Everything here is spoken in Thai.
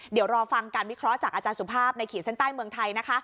เดี๋ยวรอฟังการวิเคราะห์จากอาจารย์สุภาพในขีดเส้นใต้เมืองไทยนะคะ